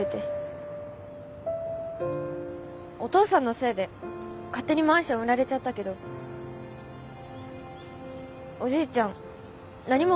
お父さんのせいで勝手にマンション売られちゃったけどおじいちゃん何も悪くないんですけど。